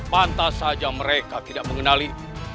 pantas saja mereka tidak mengenali